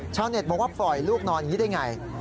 เน็ตบอกว่าปล่อยลูกนอนอย่างนี้ได้ไง